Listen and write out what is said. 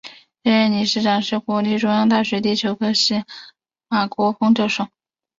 现任理事长是国立中央大学地球科学系马国凤教授。